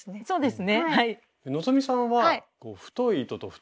そうですね